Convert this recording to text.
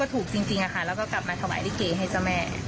ถูกจริงค่ะแล้วก็กลับมาถวายลิเกให้เจ้าแม่